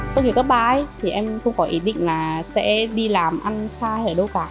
tôi nghĩ các bài thì em không có ý định là sẽ đi làm ăn sai ở đâu cả